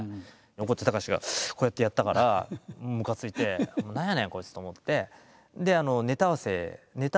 たかしがこうやってやったからむかついて何やねんこいつと思って。